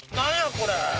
これ！